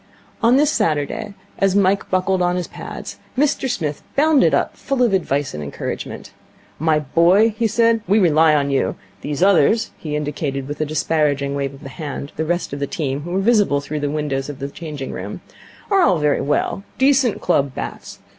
On this Saturday, as Mike buckled on his pads, Mr Smith bounded up, full of advice and encouragement. 'My boy,' he said, 'we rely on you. These others' he indicated with a disparaging wave of the hand the rest of the team, who were visible through the window of the changing room 'are all very well. Decent club bats.